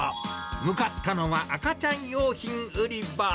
向かったのは赤ちゃん用品売り場。